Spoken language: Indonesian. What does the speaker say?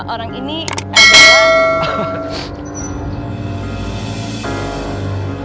orang ini adalah